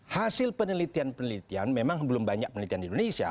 hasil penelitian penelitian memang belum banyak penelitian di indonesia